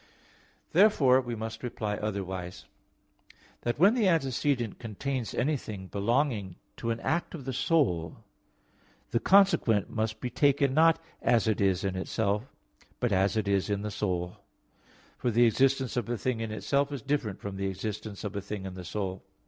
Therefore we must reply otherwise; that when the antecedent contains anything belonging to an act of the soul, the consequent must be taken not as it is in itself, but as it is in the soul: for the existence of a thing in itself is different from the existence of a thing in the soul.